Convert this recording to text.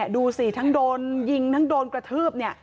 ดูสิทั้งโดนยิงทั้งโดนกระทืบ